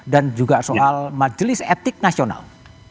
dan juga soal majelis etik nasional